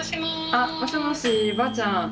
あもしもしばあちゃん。